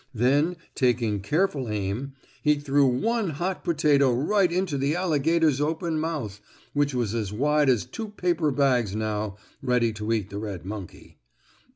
Then, taking careful aim, he threw one hot potato right into the alligator's open mouth, which was as wide as two paper bags now, ready to eat the red monkey.